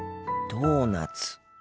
ドーナツ。